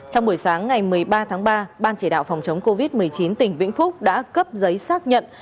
trong buổi sáng ngày một mươi ba tháng ba ban chỉ đạo phòng chống covid một mươi chín tỉnh vĩnh phúc đã cấp giấy xác nhận